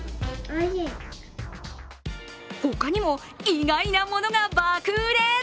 他にも意外なものが爆売れ。